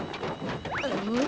うん？